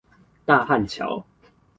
大漢橋